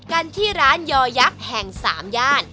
กันที่ร้านยอยักษ์แห่ง๓ย่าน